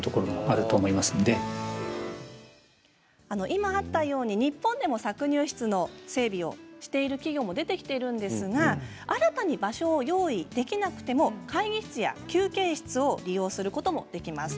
今あったように日本でも搾乳室の整備をしている企業も出てきているんですが新たに場所を用意できなくても会議室や休憩室を利用することもできます。